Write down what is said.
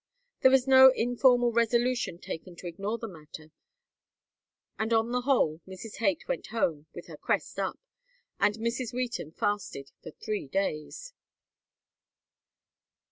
There was no informal resolution taken to ignore the matter, and, on the whole, Mrs. Haight went home with her crest up, and Mrs. Wheaton fasted for three days.